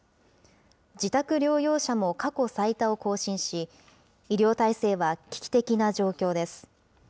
自宅療養者も過去最多を更新し、医療体制は危機的な状況です。